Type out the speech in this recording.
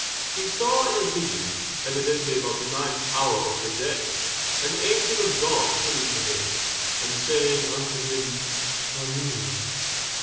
He saw in a vision evidently about the ninth hour of the day an angel of God coming in to him, and saying unto him, Cornelius.